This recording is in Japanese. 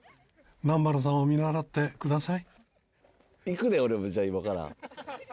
［南原さんを見習ってください］